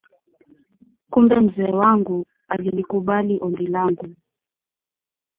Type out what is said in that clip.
Kumbe mzee wangu alilikubali ombi langu